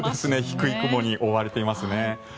低い雲に覆われていますね。